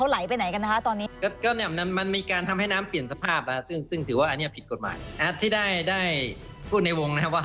และน้ำถ้าโดนถมเสร็จแล้ว